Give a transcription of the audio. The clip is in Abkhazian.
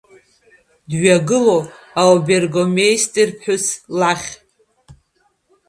Дҩагыло, аобергофмеистерԥҳәыс лахь.